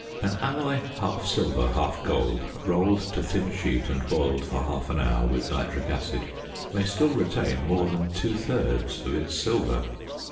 An alloy half silver half gold, rolled to thin sheet and boiled for half an hour with nitric acid, may still retain more than two thirds of its silver.